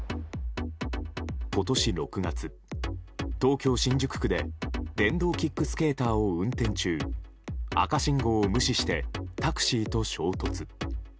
今年６月、東京・新宿区で電動キックスケーターを運転中赤信号を無視してタクシーと衝突。